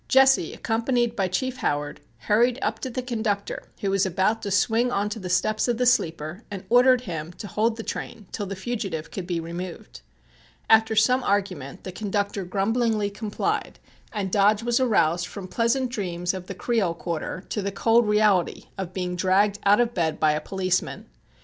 Jesse, accompanied by Chief Howard, hurried up to the conductor who was about to swing on to the steps of the sleeper, and ordered him to hold the train till the fugitive could be removed. After some argument the conductor grumblingly complied and Dodge was aroused from pleasant dreams of the "Creole Quarter" to the cold reality of being dragged out of bed by a policeman.